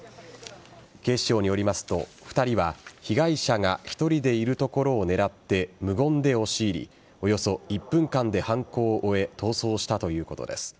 警視庁によりますと、２人は被害者が１人でいるところを狙って無言で押し入りおよそ１分間で犯行を終え逃走したということです。